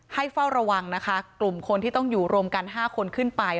เฝ้าระวังนะคะกลุ่มคนที่ต้องอยู่รวมกัน๕คนขึ้นไป